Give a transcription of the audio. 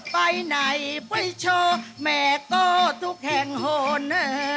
ไปไหนไปโชว์แม่ก็ทุกแห่งโหน